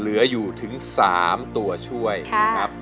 เหลืออยู่ถึง๓ตัวช่วยนะครับ